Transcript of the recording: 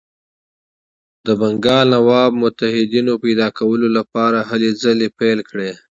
د بنګال نواب متحدینو پیدا کولو لپاره هلې ځلې پیل کړې.